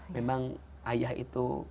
memang ayah itu